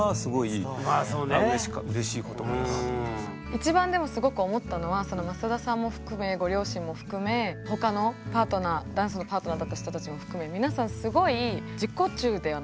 一番でもすごく思ったのは増田さんも含めご両親も含め他のパートナーダンスのパートナーだった人たちも含め皆さん